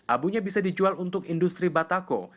abunya bisa dijual untuk industri batako